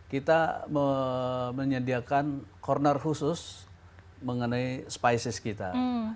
kita menyediakan corner khusus mengenai spices kita